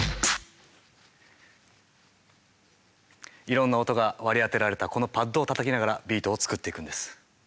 いろんな音が割り当てられたこのパッドをたたきながらビートを作っていくんです。